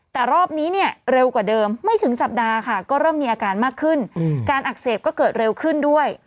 แต่รอบนี้เนี่ยเร็วกว่าเดิมไม่ถึงสัปดาห์ค่ะก็เริ่มมีอาการมากขึ้นการอักเสบก็เกิดเร็วขึ้นด้วย